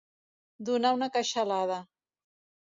Donar una queixalada.